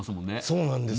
そうなんです。